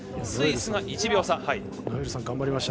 スイスが１秒差。